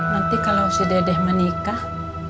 nanti kalau si dedeh menikah